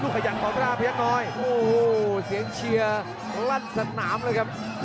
พยายามน้อยโอ้โหเสียงเชียร์รัดสนามเลยครับ